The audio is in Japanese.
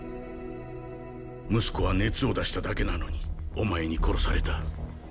息子は熱を出しただけなのにお前に殺された。